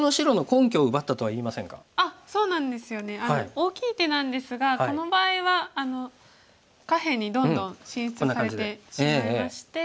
大きい手なんですがこの場合は下辺にどんどん進出されてしまいまして。